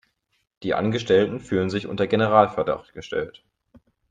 Die Angestellten fühlen sich unter Generalverdacht gestellt.